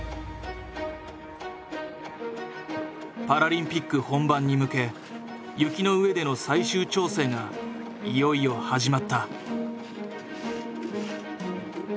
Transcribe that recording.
パラリンピック本番に向け雪の上での最終調整がいよいよ始まった。